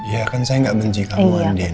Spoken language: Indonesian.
iya kan saya gak benci kamu andien